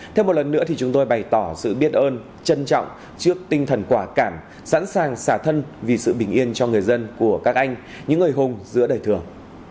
thêm một lần nữa thì chúng tôi bày tỏ sự biết ơn trân trọng trước tinh thần quả cảm sẵn sàng xả thân vì sự bình yên cho người dân của các anh những người hùng giữa đời thường